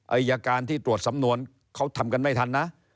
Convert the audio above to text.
อายการที่ตรวจสำนวนเขาทำกันไม่ทันนะ